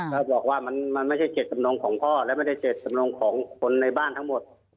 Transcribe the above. ก็บอกว่ามันไม่ใช่เจ็ดสำนองของพ่อและไม่ได้เจ็ดสำนงของคนในบ้านทั้งหมด